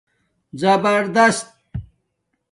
زَبردست